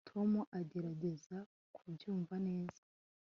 tom aragerageza kubyumva neza